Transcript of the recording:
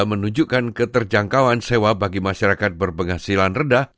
menunjukkan keterjangkauan sewa bagi masyarakat berpenghasilan rendah